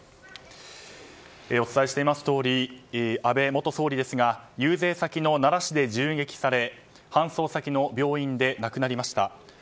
お伝えしていますとおり安倍元総理が遊説先の奈良市で銃撃され搬送先の病院で亡くなりました。